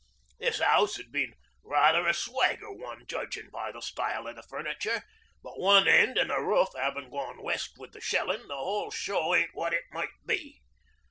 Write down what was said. This 'ouse 'as been rather a swagger one, judgin' by the style o' the furniture, but one end an' the roof 'aving gone west with the shellin' the whole show ain't what it might be.